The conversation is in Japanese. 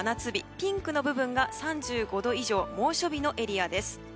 ピンクの部分が３５度以上猛暑日のエリアです。